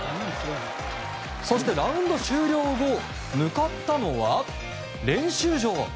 そして、ラウンド終了後向かったのは練習場。